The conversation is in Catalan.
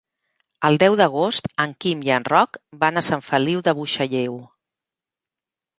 El deu d'agost en Quim i en Roc van a Sant Feliu de Buixalleu.